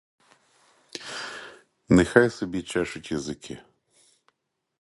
Нехай собі чешуть язики!